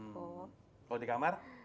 kalau di kamar